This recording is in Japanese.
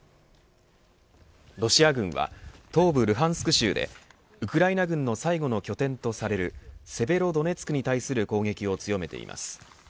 ロシア軍は東部ルハンスク州でウクライナ軍の最後の拠点とされるセベロドネツクに対する攻撃を強めています。